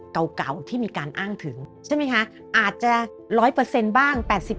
เก่าที่มีการอ้างถึงใช่ไหมคะอาจจะ๑๐๐บ้าง๘๐